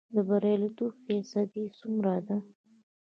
د بریالیتوب فیصدی څومره ده؟